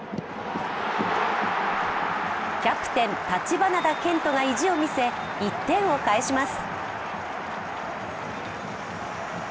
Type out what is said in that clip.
キャプテン・橘田健人が意地を見せ、１点を返します。